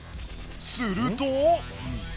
すると。